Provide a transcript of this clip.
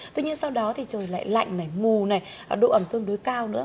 tuy nhiên sau đó thì trời lại lạnh mù độ ẩm tương đối cao nữa